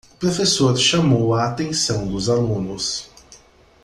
O professor chamou a atenção dos alunos.